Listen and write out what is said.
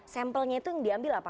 sampelnya itu yang diambil apa